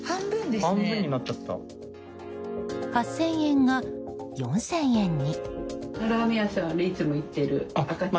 ８０００円が４０００円に。